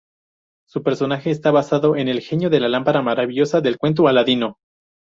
Su personaje está basado en el Genio de la lámpara maravillosa del cuento ""Aladino"".